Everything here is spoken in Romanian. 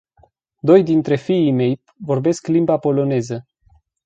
Doi dintre fiii mei vorbesc limba poloneză.